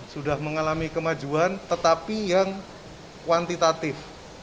sudah mengalami kemajuan tetapi yang kuantitatif